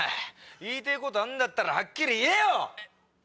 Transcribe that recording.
言いてぇことあんだったらハッキリ言えよ！